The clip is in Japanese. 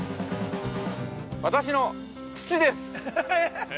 私の父です！